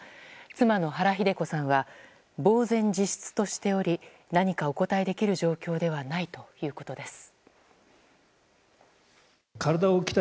妻の原日出子さんはぼうぜん自失としており何かをお答えるできる状態ではないということです。